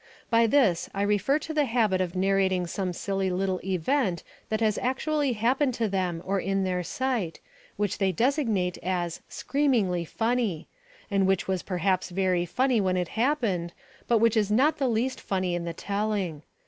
By this I refer to the habit of narrating some silly little event that has actually happened to them or in their sight, which they designate as "screamingly funny," and which was perhaps very funny when it happened but which is not the least funny in the telling.